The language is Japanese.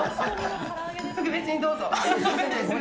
特別にどうぞ。